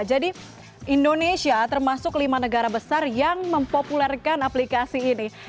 jadi indonesia termasuk lima negara besar yang mempopulerkan aplikasi ini